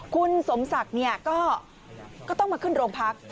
คุณสมศักดิ์ก็ต้องมาขึ้นโรงพัก